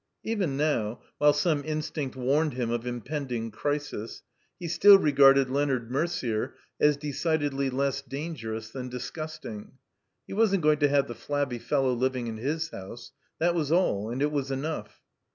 Even now, while some instinct warned him of im pending crisis, he still regarded Leonard Merder as 13 187 THE COMBINED MAZE decidedly less dangerous than disgusting. He wasn't going to have the flabby fellow living in his house. That was all; and it was enough.